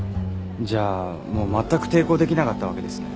じゃあもう全く抵抗できなかったわけですね。